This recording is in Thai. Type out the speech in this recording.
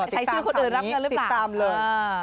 ใช้ชื่อคนอื่นรับเงินหรือเปล่าตามเลย